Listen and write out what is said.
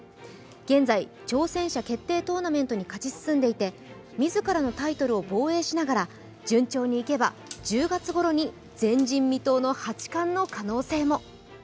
現在、挑戦者決定トーナメントに勝ち進んでいて自らのタイトルを防衛しながら順調にいけば、１０月ごろに前人未到の八冠の可能性も。